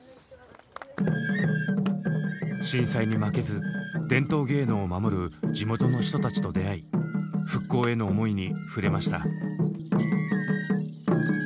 震災に負けず伝統芸能を守る地元の人たちと出会い復興への思いに触れました。